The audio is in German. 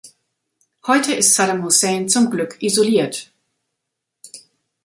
Heute ist Saddam Hussein zum Glück isoliert.